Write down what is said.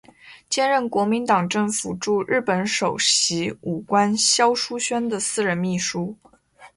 兼任国民党政府驻日本首席武官肖叔宣的私人秘书。